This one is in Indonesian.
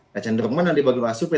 dan cenderung mana di berbagai survei